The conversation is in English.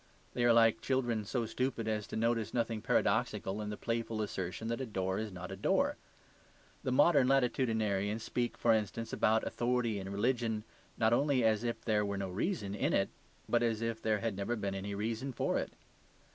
They are like children so stupid as to notice nothing paradoxical in the playful assertion that a door is not a door. The modern latitudinarians speak, for instance, about authority in religion not only as if there were no reason in it, but as if there had never been any reason for it.